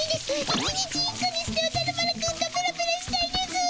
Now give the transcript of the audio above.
１日１個にしておじゃる丸くんとペロペロしたいですぅ。